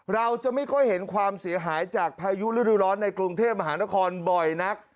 เราจะไม่ค่อยเห็นความเสียหายจากพายุฤดูร้อนในกรุงเทพมหานครบ่อยนัก